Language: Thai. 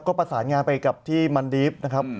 ก็ประสานงานไปกับที่มันดีฟนะครับ